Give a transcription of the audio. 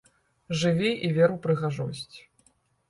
Жыві і вер у прыгажосць!